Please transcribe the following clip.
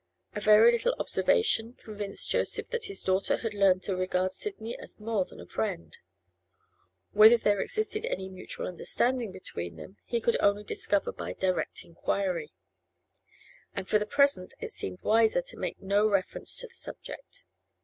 A very little observation convinced Joseph that his daughter had learned to regard Sidney as more than a friend; whether there existed any mutual understanding between them he could only discover by direct inquiry, and for the present it seemed wiser to make no reference to the subject.